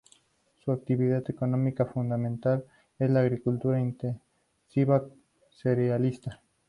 Su actividad económica fundamental es la agricultura intensiva cerealista.